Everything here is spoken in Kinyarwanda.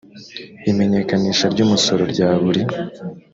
imenyekanisha ry umusoro rya buri